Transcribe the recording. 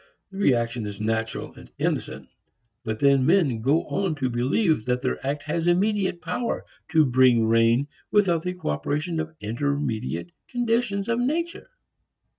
The reaction is natural and innocent. But men then go on to believe that their act has immediate power to bring rain without the cooperation of intermediate conditions of nature.